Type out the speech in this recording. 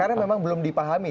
karena memang belum dipahami